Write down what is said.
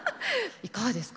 いかがですか？